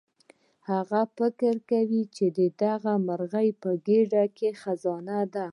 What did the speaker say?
هغه فکر وکړ چې د مرغۍ په ګیډه کې خزانه ده.